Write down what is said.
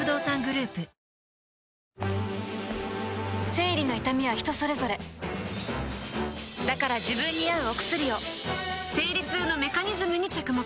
生理の痛みは人それぞれだから自分に合うお薬を生理痛のメカニズムに着目